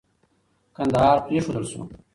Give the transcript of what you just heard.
کندهار پرېښودل سو.